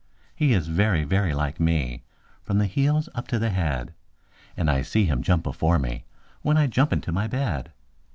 He is very, very like me from the heels up to the head; And I see him jump before me, when I jump into my bed.